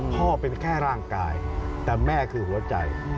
พ่อเป็นแค่ร่างกายแต่แม่คือหัวใจ